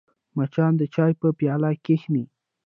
مچان د چای په پیاله کښېني